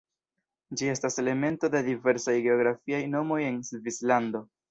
Ĝi estas elemento de diversaj geografiaj nomoj en Svislando.